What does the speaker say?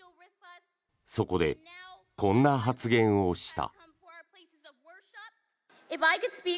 そこでこんな発言をした。